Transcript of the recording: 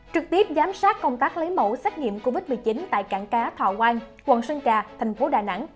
trực tiếp giám sát công tác lấy mẫu xét nghiệm covid một mươi chín tại cảng cá thọ quang quận sơn trà thành phố đà nẵng